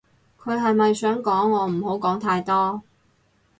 佢係咪想講我唔好講太多